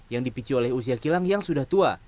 yang dipicu oleh usia kilang yang sudah tua